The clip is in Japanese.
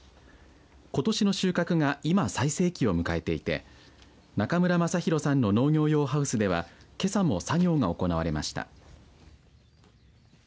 ことしの収穫が今最盛期を迎えていて中村雅裕さんの農業用ハウスではけさも作業が行われました。